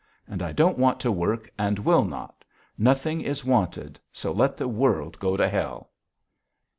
And I don't want to work and will not.... Nothing is wanted, so let the world go to hell."